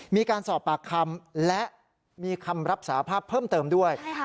มีการสอบปากคำและมีคำรับสาภาพเพิ่มเติมด้วย